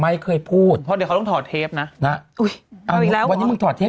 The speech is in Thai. ไม่เคยพูดเพราะเดี๋ยวเขาต้องถอดเทปนะนะอุ้ยเอางี้แล้ววันนี้มึงถอดเทป